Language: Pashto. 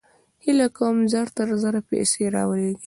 هېله کوم چې زر تر زره پیسې راولېږې